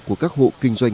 của các hộ kinh doanh